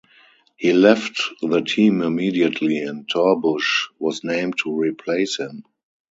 He left the team immediately, and Torbush was named to replace him.